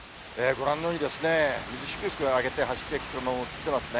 ご覧のように、水しぶきを上げて走ってくる車も映ってますね。